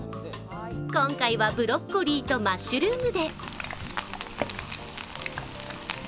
今回はブロッコリーとマッシュルームで。